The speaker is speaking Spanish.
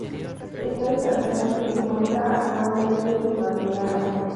Esta estación se encuentra actualmente desmantelada.